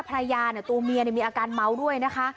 พลายาเนี่ยตัวเมียมีอาการเม้าด้วยนะคะ